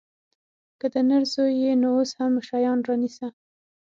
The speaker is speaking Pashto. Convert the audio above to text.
که د نر زوى يې نو اوس هم شيان رانيسه.